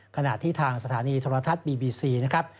ขณะที่ทางสถานีโทรทัศน์บีบีซีนะครับ